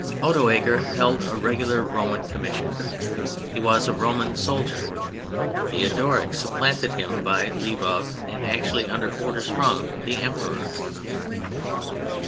Odoacer held a regular Roman commission; he was a Roman soldier: Theodoric supplanted him by leave of, and actually under orders from, the Emperor.